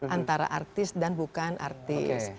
antara artis dan bukan artis